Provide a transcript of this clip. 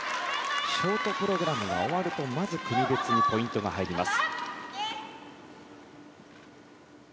ショートプログラムが終わるとまず国別にポイントが入ります。